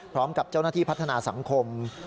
พร้อมกับเจ้าหน้าที่พัฒนาสังคม